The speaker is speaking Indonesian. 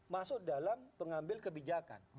masuk dalam pengambil kebijakan